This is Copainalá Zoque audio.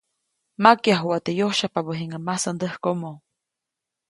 Makyajuʼa teʼ yosyajpabä jiŋäʼ masandäjkomo.